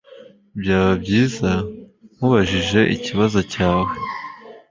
Byaba byiza nkubajije ikibazo cyawe?